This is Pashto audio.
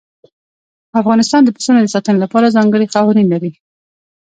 افغانستان د پسونو د ساتنې لپاره ځانګړي قوانين لري.